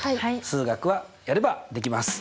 数学はやればできます。